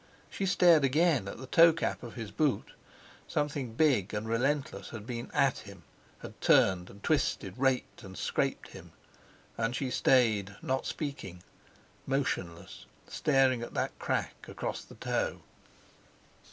She stared again at the toe cap of his boot. Something big and relentless had been "at him," had turned and twisted, raked and scraped him. And she stayed, not speaking, motionless, staring at that crack across the toe.